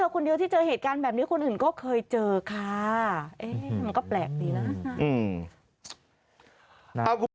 เคยเจอค่ะมันก็แปลกดีแล้วนะ